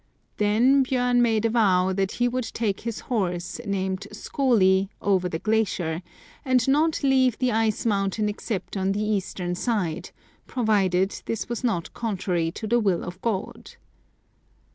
Then Bjbrn made a vow that he would take his horse, named Skoli, over the glacier, and not leave the ice mountain except on the eastern side, provided this was not contrary to the will of God.